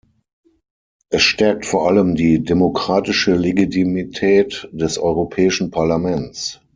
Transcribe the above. Es stärkt vor allem die demokratische Legitimität des Europäischen Parlaments.